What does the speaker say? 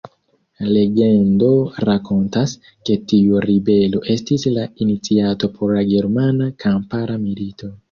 Legendo rakontas, ke tiu ribelo estis la iniciato por la Germana Kampara Milito.